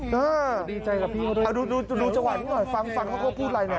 ดูดวิวสะหันดูฝั่งหนึ่งหน่วยฟังฟังเขาก็พูดไรไหน